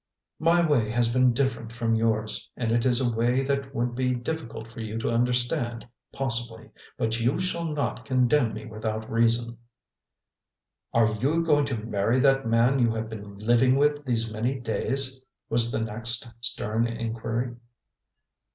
"My way has been different from yours; and It is a way that would be difficult for you to understand, possibly. But you shall not condemn me without reason." "Are you going to marry that man you have been living with these many days?" was the next stern inquiry.